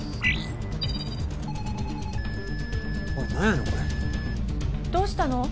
何やねんこれどうしたの？